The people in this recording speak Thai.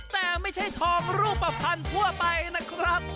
แต่ไม่ใช่ทองรูปภัณฑ์ทั่วไปนะครับ